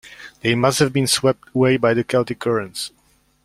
They must have been swept away by the chaotic currents.